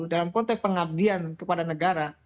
dalam konteks pengabdian kepada negara